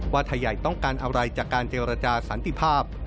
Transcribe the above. ว่าไทยใหญ่ต้องการอะไรจากการเจรจาสันติภาพ